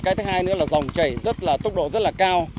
cái thứ hai nữa là dòng chảy rất là tốc độ rất là cao